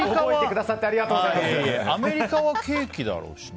アメリカは、ケーキだろうしな。